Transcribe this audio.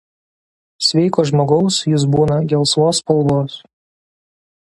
Sveiko žmogaus jis būna gelsvos spalvos.